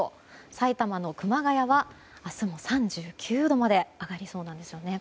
埼玉の熊谷は明日も３９度まで上がりそうなんですよね。